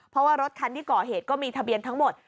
เพราะว่ารถคันที่ก่อเหตุก็มีทะเบียนทั้งหมด